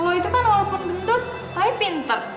kalau itu kan walaupun gendut tapi pinter